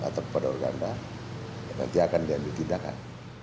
atau kepada organda nanti akan diambil tindakan